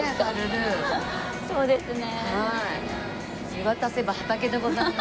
見渡せば畑でございます。